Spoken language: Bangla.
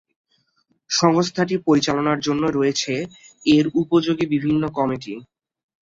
সংস্থাটি পরিচালনার জন্য রয়েছে এর উপযোগী বিভিন্ন কমিটি।